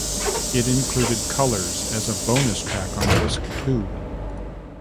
It included "Colors" as a bonus track on disc two.